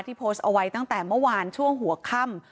โพสต์เอาไว้ตั้งแต่เมื่อวานช่วงหัวค่ำ